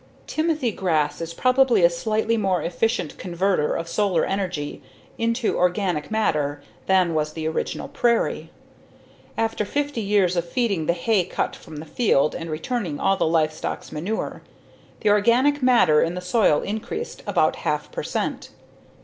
Timothy grass is probably a slightly more efficient converter of solar energy into organic matter than was the original prairie. After fifty years of feeding the hay cut from the field and returning all of the livestock's manure, the organic matter in the soil increased about 1/2 percent.